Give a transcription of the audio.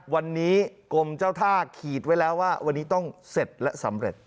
วันนี้กรมเจ้าท่าขีดไว้แล้วว่าวันนี้ต้องเสร็จและสำเร็จ